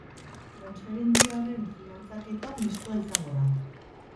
Transferentzia horren finantzaketa mistoa izango da.